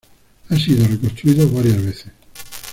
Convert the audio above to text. Ha sido reconstruido varias veces.